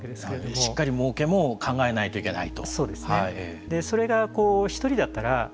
しっかりもうけも考えないといけないと？